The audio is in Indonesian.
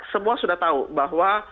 semua sudah tahu bahwa